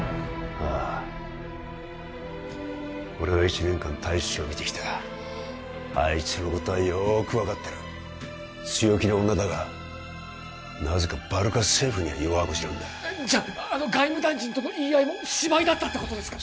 ああ俺は１年間大使を見てきたあいつのことはよーく分かってる強気な女だがなぜかバルカ政府には弱腰なんだじゃああの外務大臣との言い合いも芝居だったってことですか？